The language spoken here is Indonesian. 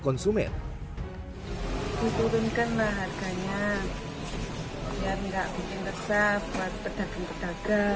konsumen turunkan harganya